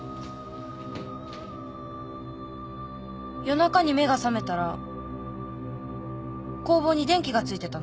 夜中に目が覚めたら工房に電気がついてたの。